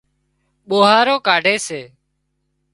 ٻوهارو ڪاڍي سي